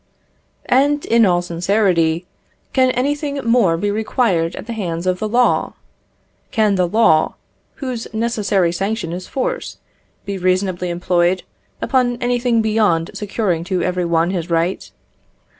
And, in all sincerity, can anything more be required at the hands of the law? Can the law, whose necessary sanction is force, be reasonably employed upon anything beyond securing to every one his right?